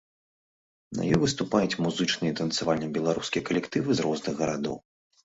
На ёй выступяць музычныя і танцавальныя беларускія калектывы з розных гарадоў.